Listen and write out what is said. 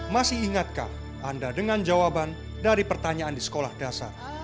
masih ingatkah anda dengan jawaban dari pertanyaan di sekolah dasar